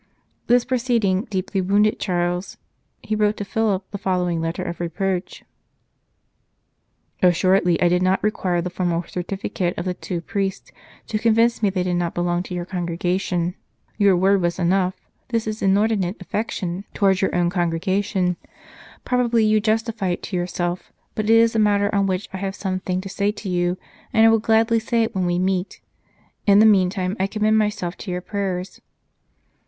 This proceeding deeply wounded Charles ; he wrote to Philip the following letter of reproach :" Assuredly I did not require the formal certi ficate of the two priests to convince me they did not belong to your congregation. Your word was enough. This is inordinate affection towards your own congregation. Probably you justify it to yourself, but it is a matter on which I have some thing to say to you, and I will gladly say it when we meet. In the meantime I commend myself to your prayers."